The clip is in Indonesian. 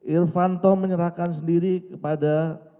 irvanto menyerahkan sendiri kepada